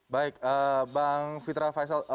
baik bang fitra faisal